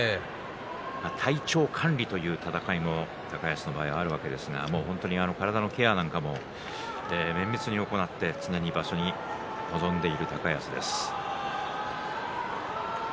体調管理という闘いも高安の場合あるわけですが体のケアも綿密に行って常に場所に臨んでいる高安です。